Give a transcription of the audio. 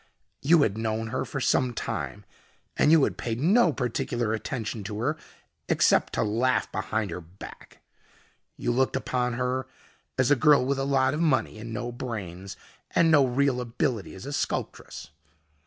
You had known her for some time and you had paid no particular attention to her, except to laugh behind her back. You looked upon her as a girl with a lot of money and no brains and no real ability as a sculptress.